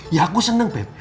ya aku seneng beb